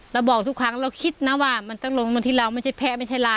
เราบอกทุกครั้งเราคิดนะว่ามันต้องลงตรงที่เราไม่ใช่แพ้ไม่ใช่เรา